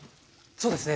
そうですね。